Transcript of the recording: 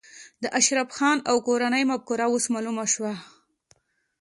د اشرف خان او کورنۍ مفکوره اوس معلومه شوه